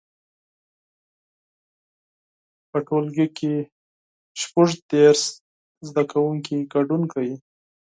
په صنف کې شپږ دیرش زده کوونکي ګډون کوي.